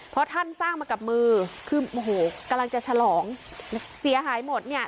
เพราะท่านสร้างมากับมือคือโอ้โหกำลังจะฉลองเสียหายหมดเนี่ย